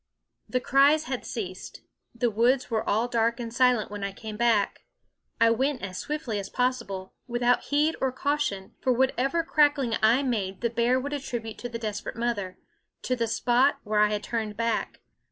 The cries had ceased; the woods were all dark and silent when I came back. I went as swiftly as possible without heed or caution; for whatever crackling I made the bear would attribute to the desperate mother to the spot where I had turned back.